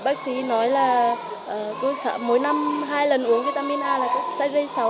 bác sĩ nói là mỗi năm hai lần uống vitamin a